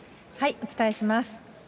お伝えします。